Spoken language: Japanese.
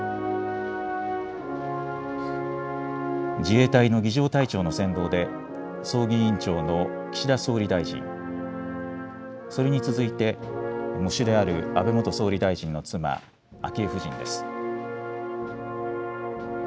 自衛隊の儀じょう隊長の先導で、葬儀委員長の岸田総理大臣、それに続いて、喪主である安倍元総理大臣の妻、昭恵夫人です。